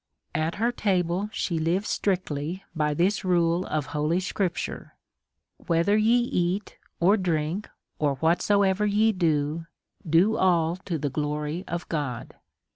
At her table she lives strictly by this rule of holy scripture, whether ye eat or drink, or whatsoever ye do, do all to the glory of God.